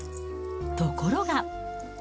ところが。